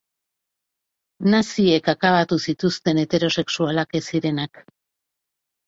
Naziek akabatu zituzten heterosexualak ez zirenak.